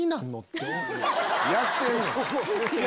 やってんねん！